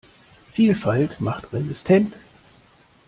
Vielfalt macht resistent.